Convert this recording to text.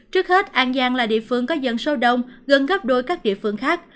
trước hết an giang là địa phương có dân sâu đông gần gấp đôi các địa phương khác